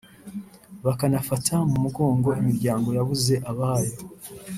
bakanafata mu mugongo imiryango yabuze abayo